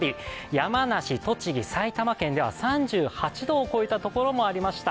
山梨、栃木、埼玉県では３８度を超えたところもありました。